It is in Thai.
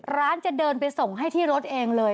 ร้านจะเดินไปส่งให้ที่รถเองเลย